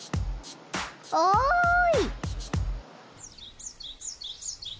おい！